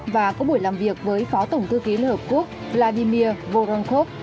và có buổi làm việc với phó tổng thư ký liên hợp quốc vladimir voronkov